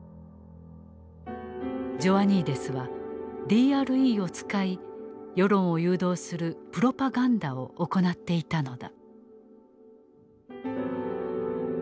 ジョアニーデスはＤＲＥを使い世論を誘導する「プロパガンダ」を行っていたのだ。